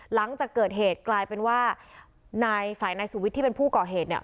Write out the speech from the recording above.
หลังจากเกิดเหตุกลายเป็นว่านายฝ่ายนายสุวิทย์ที่เป็นผู้ก่อเหตุเนี่ย